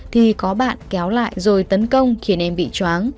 thì có bạn kéo lại rồi tấn công khiến em bị chóng